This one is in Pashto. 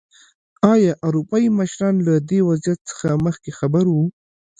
ایا اروپايي مشران له دې وضعیت څخه مخکې خبر وو.